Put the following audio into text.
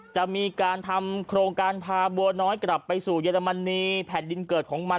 จะมีการทำโครงการพาบัวน้อยกลับไปสู่เยอรมนีแผ่นดินเกิดของมัน